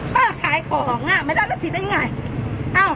ป้าขายของอ่ะไม่ได้รับสิทธิ์ได้ยังไงเอ้า